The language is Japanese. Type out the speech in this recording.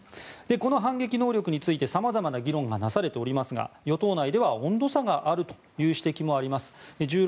この反撃能力について様々な議論がなされていますが与党内では温度差があるという話もあります。